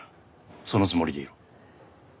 そのつもりでいろ。